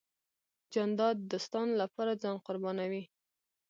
جانداد د دوستانو له پاره ځان قربانوي .